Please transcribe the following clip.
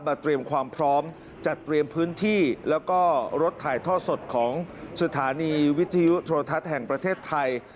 เตรียมความพร้อมจัดเตรียมพื้นที่แล้วก็รถถ่ายทอดสดของสถานีวิทยุโทรทัศน์แห่งประเทศไทย